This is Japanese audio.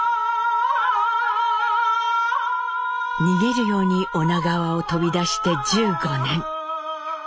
逃げるように女川を飛び出して１５年。